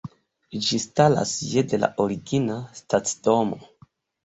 Ĝi staras je de la origina stacidomo.